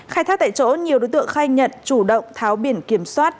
khai thác tại chỗ nhiều đối tượng khai nhận chủ động tháo biển kiểm soát